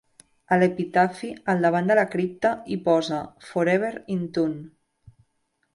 A l'epitafi al davant de la cripta hi posa "Forever In Tune".